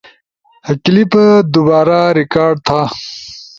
کلپ دوبارا ریکارڈ تھا